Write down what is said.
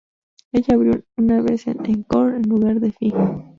Ella abrió una vez en "Encore" en lugar de Fi.